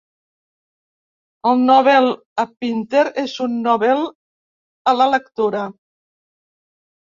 El Nobel a Pinter és un Nobel a la lectura.